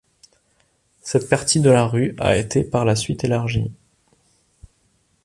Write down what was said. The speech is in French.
Cette partie de la rue a été par la suite élargie.